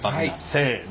せの。